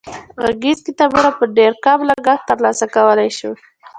غږیز کتابونه په ډېر کم لګښت تر لاسه کولای شو.